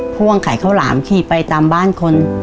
พ่วงขายข้าวหลามขี่ไปตามบ้านคน